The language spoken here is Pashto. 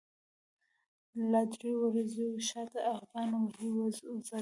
لادلوړو وریځو شاته، عقابان وهی وزری